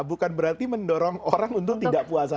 bukan berarti mendorong orang untuk tidak puasa